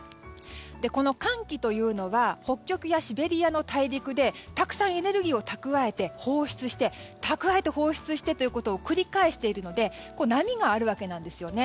この寒気というのは北極やシベリアの大陸でたくさんエネルギーを蓄えて放出して、蓄えて放出して蓄えて放出を繰り返しているので波があるわけなんですね。